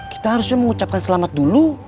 kita harusnya mengucapkan selamat dulu